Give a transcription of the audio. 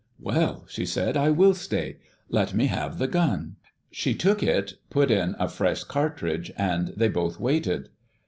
"'Well,' she said, 'I will stay. Let me have the gun.' "She took it, put in a fresh cartridge, and they both waited.